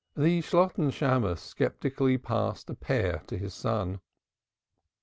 The Shalotten Shammos sceptically passed a pear to his son.